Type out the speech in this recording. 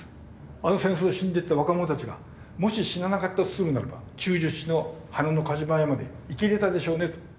「あの戦争で死んでいった若者たちがもし死ななかったとするならば９７の花の風車まで生きれたでしょうね」と。